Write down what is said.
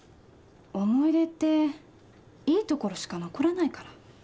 思い出っていいところしか残らないから。